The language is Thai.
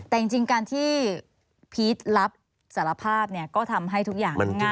แต่จริงการที่พีชรับสารภาพเนี่ยก็ทำให้ทุกอย่างง่าย